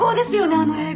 あの映画。